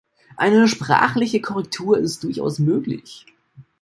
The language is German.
Eine sprachliche Korrektur ist durchaus möglich.